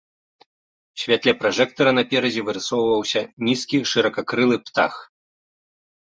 У святле пражэктара наперадзе вырысоўваўся нізкі, шыракакрылы птах.